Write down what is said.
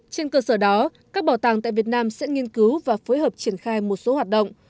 trên cơ sở đó các bảo tàng tại việt nam sẽ nghiên cứu và phối hợp triển khai một số hoạt động